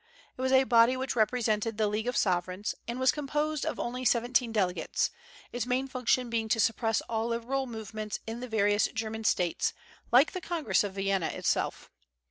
It was a body which represented the League of Sovereigns, and was composed of only seventeen delegates, its main function being to suppress all liberal movements in the various German States; like the Congress of Vienna itself.